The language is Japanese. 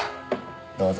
どうぞ。